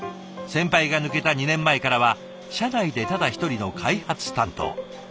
先輩が抜けた２年前からは社内でただ１人の開発担当。